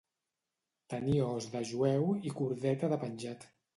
Tenir os de jueu i cordeta de penjat.